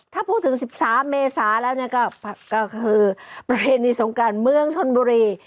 ถ้าพูดถึง๑๓เมษาแล้วเนี่ยก็คือประเพณีสงการเมืองชนบุรี